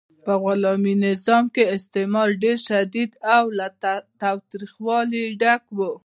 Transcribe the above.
په غلامي نظام کې استثمار ډیر شدید او له تاوتریخوالي ډک و.